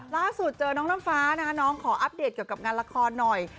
ล่าสุดเจอน้องน้ำฟ้านะคะน้องขออัปเดตเกี่ยวกับงานละครหน่อย